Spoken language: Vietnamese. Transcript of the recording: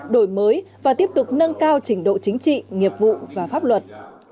đổi mới và tiếp tục nâng cao trình độ chính trị nghiệp vụ và pháp luật